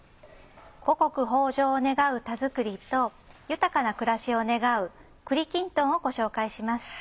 五穀豊穣を願う「田作り」と豊かな暮らしを願う「栗きんとん」をご紹介します。